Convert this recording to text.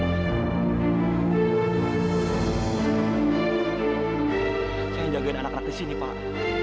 saya jagain anak anak di sini pak